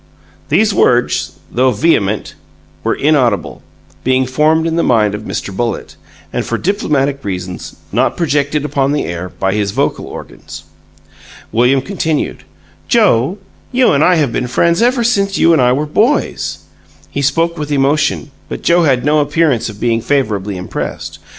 These words, though vehement, were inaudible; being formed in the mind of Mr. Bullitt, but, for diplomatic reasons, not projected upon the air by his vocal organs. William continued: "Joe, you and I have been friends ever since you and I were boys." He spoke with emotion, but Joe had no appearance of being favorably impressed.